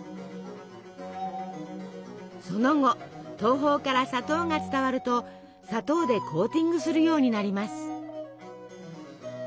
その後東方から砂糖が伝わると砂糖でコーティングするようになります。